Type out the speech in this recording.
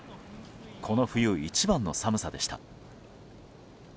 この冬一番の寒さでした。